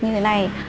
như thế này